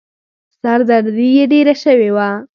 سر دردي يې ډېره شوې وه.